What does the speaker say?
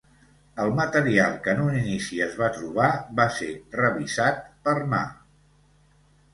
El material que en un inici es va trobar, va ser revisat per Ma.